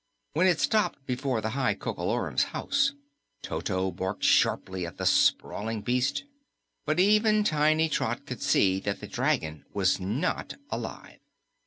When it stopped before the High Coco Lorum's house, Toto barked sharply at the sprawling beast, but even tiny Trot could see that the dragon was not alive.